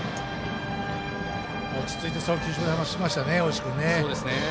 落ち着いて送球しましたね大石君。